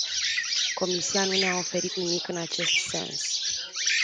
Comisia nu ne-a oferit nimic în acest sens.